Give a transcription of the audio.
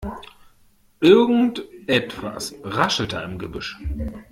Irgendetwas raschelt da im Gebüsch.